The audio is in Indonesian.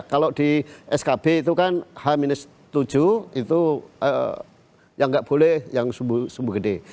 kalau di skb itu kan h tujuh itu yang nggak boleh yang sumbu gede